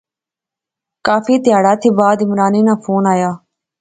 کافی تہاڑیا تھی بعدعمرانے ناں فون آیا